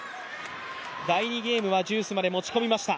第２ゲームはジュースまで持ち込みました。